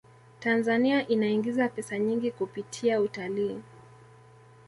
tanzania inaingiza pesa nyingi kupitia utalii